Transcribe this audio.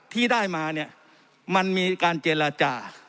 ที่ได้มาเนี่ยมันมีการเจรจา